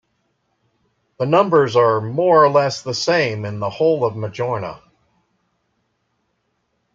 The numbers are more or less the same in the whole of Majorna.